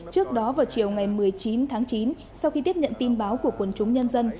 trước đó vào chiều ngày một mươi chín tháng chín sau khi tiếp nhận tin báo của quần chúng nhân dân